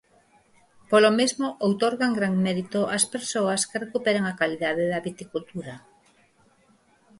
Polo mesmo outorgan gran mérito ás persoas que recuperan a calidade da viticultura.